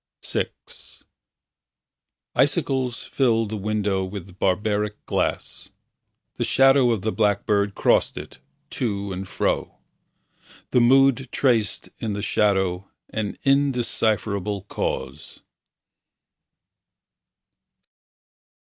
VI Icicles filled the window With barbaric glass. The shadow of the blackbird Crossed it, to and fro. The Mood Traced in the shadow An indecipherable cause.